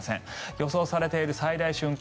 予想されている最大瞬間